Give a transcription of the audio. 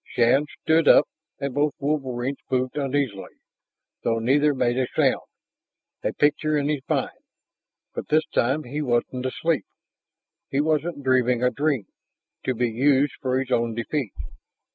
Shann stood up and both wolverines moved uneasily, though neither made a sound. A picture in his mind! But this time he wasn't asleep; he wasn't dreaming a dream to be used for his own defeat.